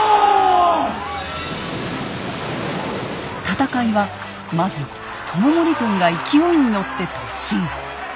戦いはまず知盛軍が勢いに乗って突進。